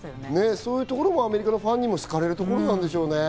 そういうところもアメリカのファンに好かれるところなんでしょうね。